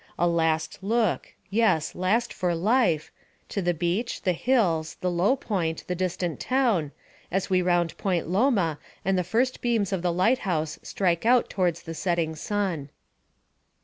A last look yes, last for life to the beach, the hills, the low point, the distant town, as we round Point Loma and the first beams of the light house strike out towards the setting sun.